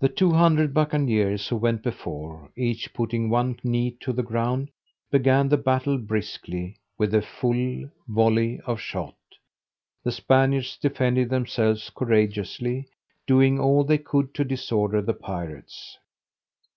The two hundred bucaniers, who went before, each putting one knee to the ground, began the battle briskly, with a full volley of shot: the Spaniards defended themselves courageously, doing all they could to disorder the pirates.